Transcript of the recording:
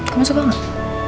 kamu suka gak